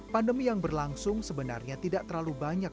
pandemi yang berlangsung sebenarnya tidak terlalu banyak